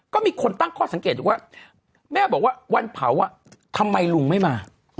ก็มีคนตั้งข้อสังเกตว่าแม่บอกว่าวันเผาทำไมลุงไม่มา